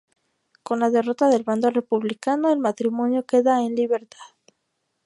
Con la derrota del bando republicano, el matrimonio queda en libertad.